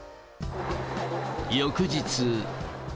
翌日。